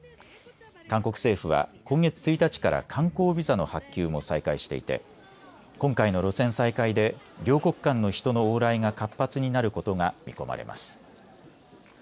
韓国政府は今月１日から観光ビザの発給も再開していて今回の路線再開で両国間の人の往来が活発になることが見込まれます。